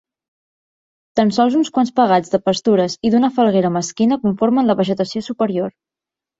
Tan sols uns quants pegats de pastures i d'una falguera mesquina conformen la vegetació superior.